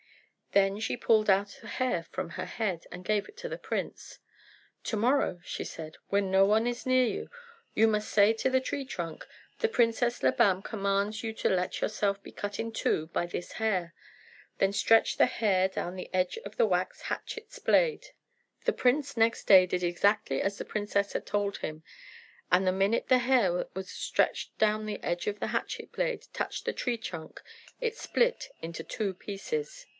Then she pulled out a hair from her head, and gave it to the prince. "To morrow," she said, "when no one is near you, you must say to the tree trunk, 'The Princess Labam commands you to let yourself be cut in two by this hair.' Then stretch the hair down the edge of the wax hatchet's blade." The prince next day did exactly as the princess had told him; and the minute the hair that was stretched down the edge of the hatchet blade touched the tree trunk it split into two pieces.